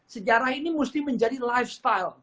sejarah ini mesti menjadi lifestyle